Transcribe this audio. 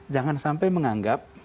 jangan sampai menganggap